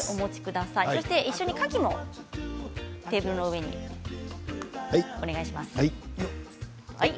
一緒に花きもテーブルの上にお願いします。